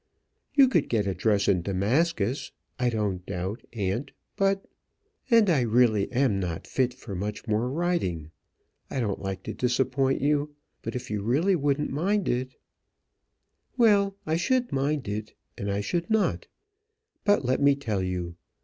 "You could get a dress in Damascus, I don't doubt, aunt. But " "And I really am not fit for much more riding. I don't like to disappoint you; but if you really wouldn't mind it " "Well, I should mind it, and I should not. But let me tell you.